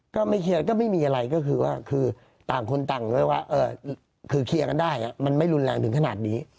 ก็ไม่เคลียร์ก็ไม่มีอะไรก็คือว่าคือต่างคนต่างด้วยว่าคือเคลียร์กันได้มันไม่รุนแรงถึงขนาดนี้